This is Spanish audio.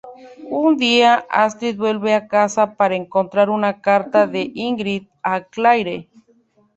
Un día, Astrid vuelve a casa para encontrar una carta de Ingrid a Claire.